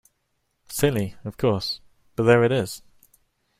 Silly, of course, but there it is.